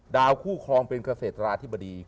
คู่ครองเป็นเกษตราธิบดี